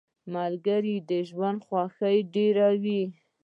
ملګری د ژوند خوښي ډېروي.